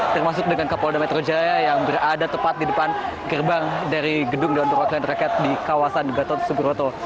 termasuk dengan kapolda metro jaya yang berada tepat di depan gerbang dari gedung dpr di kawasan gatot suburoto